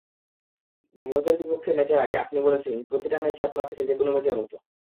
ভারতের বিপক্ষে ম্যাচের আগে আপনি বলেছিলেন, প্রতিটা ম্যাচই আপনার কাছে যেকোনো ম্যাচের মতো।